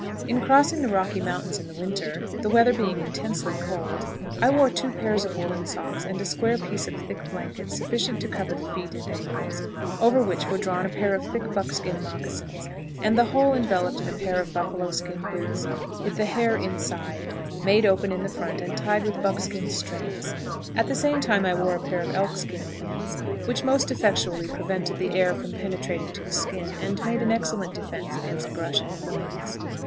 In crossing the Rocky Mountains in the winter, the weather being intensely cold, I wore two pairs of woolen socks, and a square piece of thick blanket sufficient to cover the feet and ankles, over which were drawn a pair of thick buckskin moccasins, and the whole enveloped in a pair of buffalo skin boots with the hair inside, made open in the front and tied with buckskin strings. At the same time I wore a pair of elkskin pants, which most effectually prevented the air from penetrating to the skin, and made an excellent defense against brush and thorns.